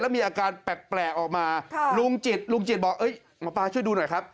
และมีอาการแปลกออกมาลุงจิตบอกป้าช่วยดูหน่อยครับ